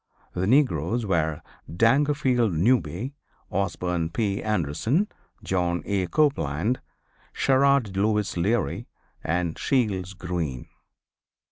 The negroes were Dangerfield Newby, Osborne P. Anderson, John A. Copeland, Sherrard Lewis Leary and Shields Green.